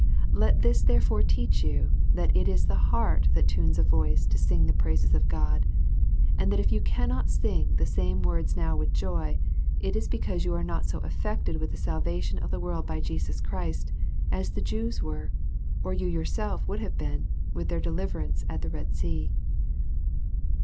Let this, therefore, teach you that it is the heart that tunes a voice to sing the praises of God ; and that if you cannot sing these same words now with joy, it is be cause you are not so affected with the salvation of the DEVOUT AND HOLY LIFE. 191 world by Jesus Christ as the Jews were, or you yourself would have been with their deliverance at the Red sea.